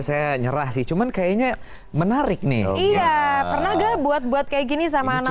saya nyerah sih cuman kayaknya menarik nih iya pernah gak buat buat kayak gini sama anak